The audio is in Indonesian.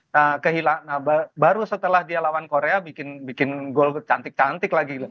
nah kehilangan baru setelah dia lawan korea bikin gol cantik cantik lagi